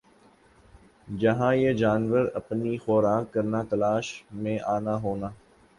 جَہاں یِہ جانور اپنی خوراک کرنا تلاش میں آنا ہونا